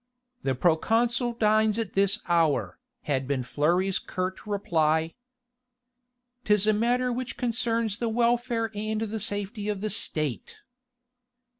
"The proconsul dines at this hour," had been Fleury's curt reply. "'Tis a matter which concerns the welfare and the safety of the State!"